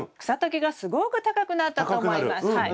草丈がすごく高くなったと思います。